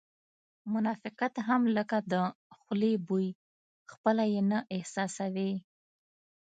منافقت هم لکه د خولې بوی خپله یې نه احساسوې